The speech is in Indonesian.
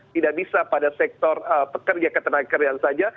tidak bisa pada sektor pekerja ketenagakerjaan saja